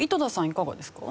いかがですか？